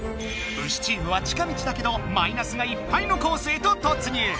ウシチームは近道だけどマイナスがいっぱいのコースへと突入！